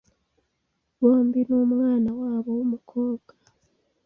Bombi n'umwana wabo w'umukobwa